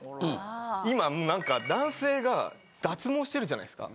・今なんか男性が脱毛してるじゃないですか。